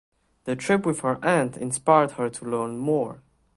The trip with her Aunt inspired her to learn more.